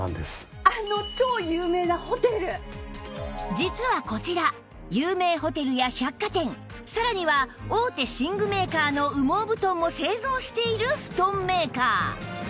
実はこちら有名ホテルや百貨店さらには大手寝具メーカーの羽毛布団も製造している布団メーカー